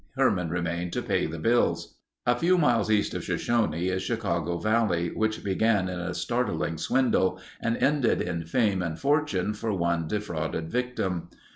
Herman remained to pay the bills. A few miles east of Shoshone is Chicago Valley, which began in a startling swindle, and ended in fame and fortune for one defrauded victim.